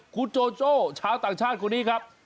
คุณโจโจ้ชาวต่างชาติคนนี้ครับ